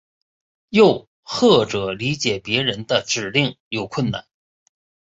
又或者理解别人的指令有困难。